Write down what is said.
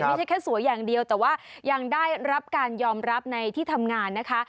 ไม่ใช่แค่สวยอย่างเดียวแต่ว่ายังได้รับการยอมรับในที่ทำงานนะคะ